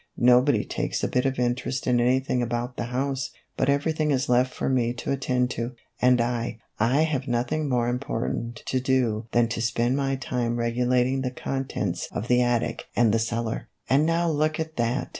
Nobody takes a bit of interest in anything about the house, but everything is left for me to attend to, and I I have nothing more important to do than to spend my time regulating the contents of the attic and the cellar, and now look at that